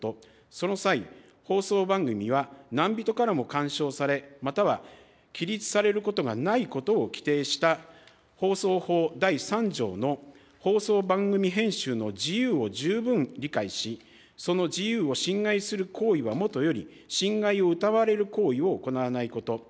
その際、放送番組は何人からも干渉され、または規律されることがないことを規定した放送法第３条の放送番組編集の自由を十分理解し、その自由を侵害する行為はもとより、侵害を疑われる行為を行わないこと。